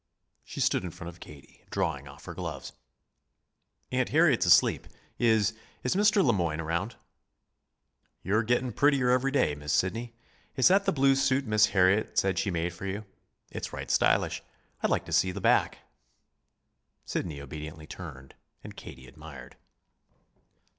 She stood in front of Katie, drawing off her gloves. "Aunt Harriet's asleep. Is is Mr. Le Moyne around?" "You're gettin' prettier every day, Miss Sidney. Is that the blue suit Miss Harriet said she made for you? It's right stylish. I'd like to see the back." Sidney obediently turned, and Katie admired.